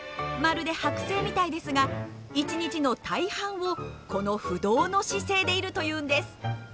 まるで剥製みたいですが一日の大半をこの不動の姿勢でいるというんです。